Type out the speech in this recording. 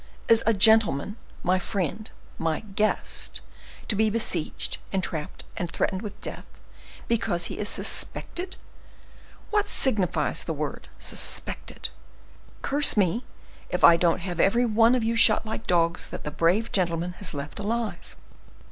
Is a gentleman, my friend, my guest, to be besieged, entrapped, and threatened with death, because he is suspected? What signifies the word, suspected? Curse me if I don't have every one of you shot like dogs, that the brave gentleman has left alive!